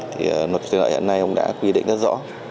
thì luật thủy lợi hiện nay đã quy định rất rõ